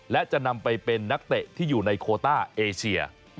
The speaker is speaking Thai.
และจะนำไปเป็นนักเตะที่อยู่ในโคต้าเอเชีย